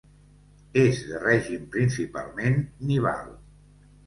És de règim principalment nival.